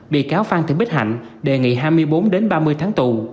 bị cáo phan thị bích hạnh đề nghị hai mươi bốn đến ba mươi tháng tù